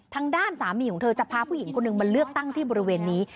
ทางด้านสามีของเธอจะพาผู้หญิงคนหนึ่งมาเลือกตั้งที่บริเวณนี้